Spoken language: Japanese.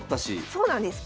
そうなんです。